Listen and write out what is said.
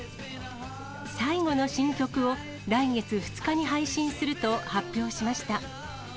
最後の新曲を来月２日に配信すると発表しました。